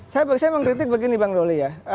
saya mengkritik begini bang doli ya